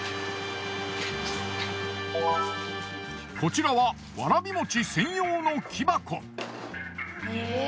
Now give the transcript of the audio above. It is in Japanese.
こちらはわらびもち専用の木箱。